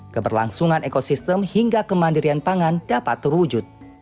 keberlangsungan ekosistem hingga kemandirian pangan dapat terwujud